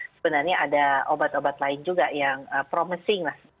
sebenarnya ada obat obat lain juga yang promosi